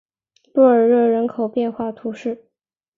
布尔热人口变化图示